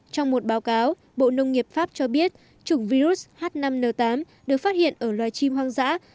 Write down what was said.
trong một báo cáo bộ nông nghiệp pháp cho biết chủng virus h năm n tám được phát hiện ở loài chim hoang dã